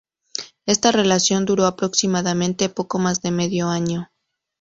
Esta relación duró, aproximadamente, poco más de medio año.